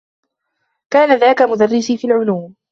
كان ذاك مدرّسي في العلوم.